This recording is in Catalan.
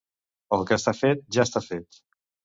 El que està fet, ja està fet.